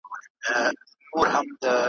زه د هري نغمې شرنګ یم زه د هري شپې سهار یم ,